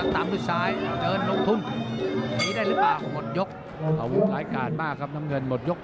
ขึ้นไปลงปิดคอ